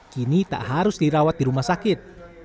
kini tak harus dirawat di rumah sakit